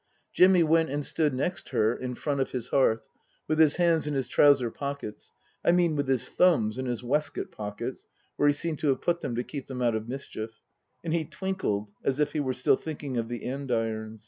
Jimmy went and stood next her in front of his hearth, with his hands in his trouser pockets I mean with his thumbs in his waistcoat pockets, where he seemed to have put them to keep them out of mischief ; and he twinkled as if he were still thinking of the andirons.